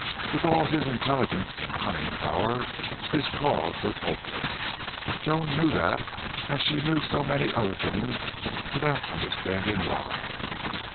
With all his intelligence and cunning power, his cause was hopeless. Joan knew that as she knew so many other things without understanding why.